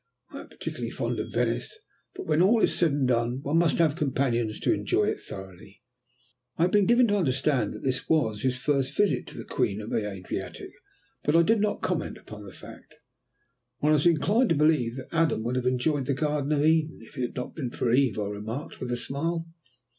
"I am particularly fond of Venice, but, when all is said and done, one must have companions to enjoy it thoroughly." I had been given to understand that this was his first visit to the Queen of the Adriatic, but I did not comment upon the fact. "One is inclined to believe that Adam would have enjoyed the Garden of Eden if it had not been for Eve," I remarked, with a smile.